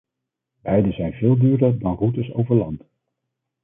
Beide zijn veel duurder dan routes over land.